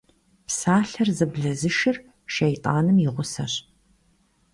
Псалъэр зэблэзышыр шэйтӏаным и гъусэщ.